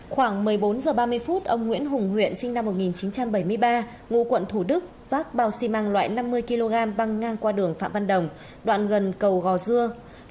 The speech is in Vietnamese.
khoảng một mươi bốn h ba mươi ông nguyễn hùng huyện sinh năm một nghìn chín trăm bảy mươi ba ngụ quận thủ đức vác bao xi măng loại năm mươi kg băng ngang qua đường phạm văn đồng đoạn gần cầu gò dưa